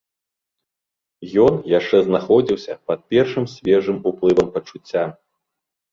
Ён яшчэ знаходзіўся пад першым свежым уплывам пачуцця.